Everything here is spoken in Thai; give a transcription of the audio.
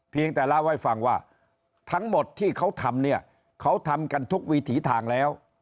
แต่เล่าให้ฟังว่าทั้งหมดที่เขาทำเนี่ยเขาทำกันทุกวิถีทางแล้ว